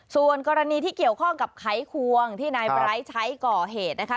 ส่วนกรณีที่เกี่ยวข้องกับไขควงที่นายไบร์ทใช้ก่อเหตุนะคะ